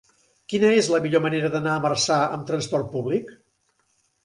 Quina és la millor manera d'anar a Marçà amb trasport públic?